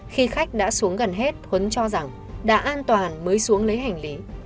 khi khách đã xuống gần hết thuấn cho rằng đã an toàn mới xuống lấy hành lý